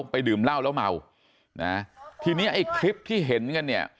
ไปดื่มเหล้าแล้วเมานะทีนี้ไอ้คลิปที่เห็นกันเนี่ย